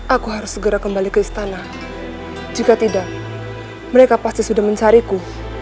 aku harus segera kembali ke istana jika tidak mereka pasti sudah mencariku